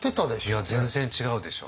いや全然違うでしょう。